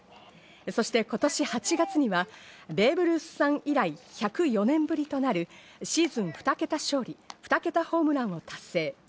そして今年８月にはベーブ・ルースさん以来、１０４年ぶりとなるシーズン２桁勝利、２桁ホームランを達成。